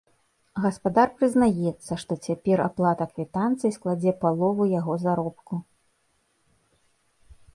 Гаспадар прызнаецца, што цяпер аплата квітанцыі складзе палову яго заробку.